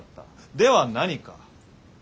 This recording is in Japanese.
では何か？